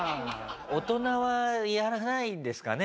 大人はやらないんですかね？